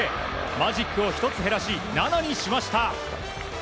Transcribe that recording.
マジックを１つ減らし７にしました。